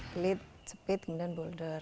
kemudian ada yang pilih speed kemudian boulder